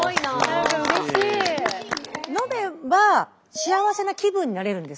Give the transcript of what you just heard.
飲めば幸せな気分になれるんですか？